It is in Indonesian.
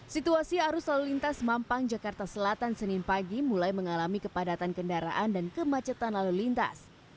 situasi arus lalu lintas mampang jakarta selatan senin pagi mulai mengalami kepadatan kendaraan dan kemacetan lalu lintas